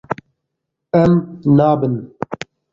Em nabin.